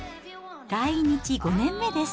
来日５年目です。